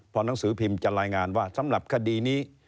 พอหนังสือพิมพ์จะรายงานว่าสำหรับคดีนี้